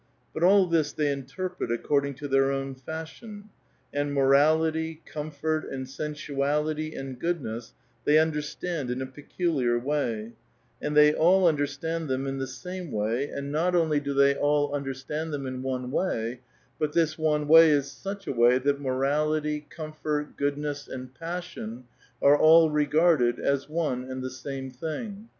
But all this they interpret according to their own fashion ; and morality, comfort, and sensuality and goodness, they understand in a peculiar way ; and they all understand them in the same way, and not Only A VITAL QUESTION. 201 do the}' all understand them in one way, but this one way is such a way that morality, comfort, goodness, and passion are all regarded as one and the same tiling.